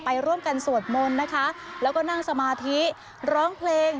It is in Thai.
ไปร่วมกันสวดมนต์นะคะแล้วก็นั่งสมาธิร้องเพลง